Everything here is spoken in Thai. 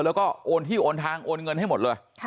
แล้วก็โอนที่โอนทางโอนเงินให้หมดเลย